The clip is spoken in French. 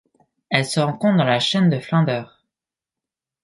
Elle se rencontre dans la chaîne de Flinders.